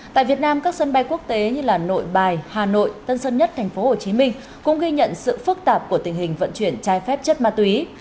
tại việt nam các sân bay quốc tế như nội bài hà nội tân sơn nhất tp hcm cũng ghi nhận sự phức tạp của tình hình vận chuyển trái phép chất ma túy